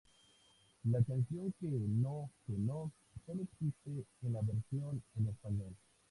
La canción "Que no, Que No" sólo existe en la versión en español.